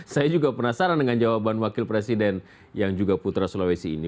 saya juga penasaran dengan jawaban wakil presiden yang juga putra sulawesi ini